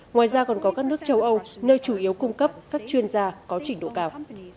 ngoài ra còn có các nước châu âu nơi chủ yếu cung cấp các chuyên gia có trình độ cao